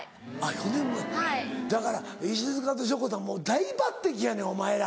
４年もだから石塚としょこたん大抜擢やねんお前ら。